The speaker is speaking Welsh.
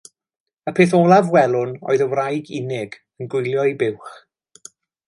Y peth olaf welwn oedd y wraig unig, yn gwylio ei buwch.